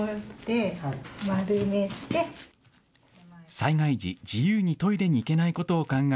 災害時、自由にトイレに行けないことを考え